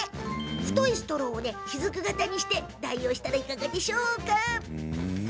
太いストローをしずく型にして代用してみたらいかがでしょうか。